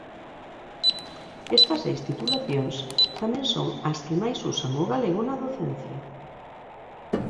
Estas seis titulacións tamén son as que máis usan o galego na docencia.